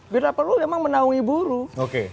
bila perlu memang menaungi buruh